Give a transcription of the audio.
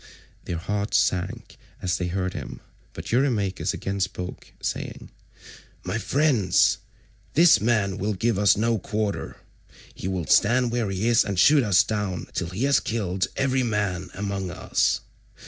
Their hearts sank as they heard him, but Eurymachus again spoke saying: "My friends, this man will give us no quarter. He will stand where he is and shoot us down till he has killed every man among us.